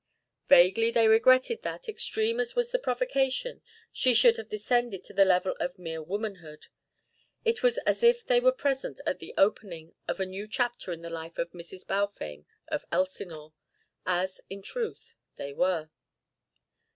Vaguely they regretted that, extreme as was the provocation, she should have descended to the level of mere womanhood. It was as if they were present at the opening of a new chapter in the life of Mrs. Balfame of Elsinore; as, in truth, they were.